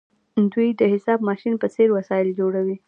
دوی د حساب ماشین په څیر وسایل جوړوي.